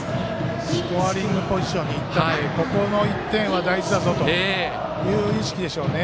スコアリングポジションにいったんでここの１点は大事だぞという意識でしょうね。